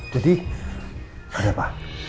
jadi ada apa